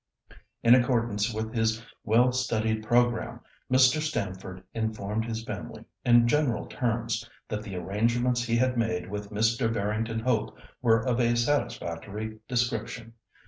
In accordance with his well studied programme, Mr. Stamford informed his family, in general terms, that the arrangements he had made with Mr. Barrington Hope were of a satisfactory description.